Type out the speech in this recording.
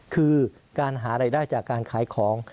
คือการหารายได้จากการขายของ